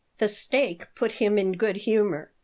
The steak put him in good humor.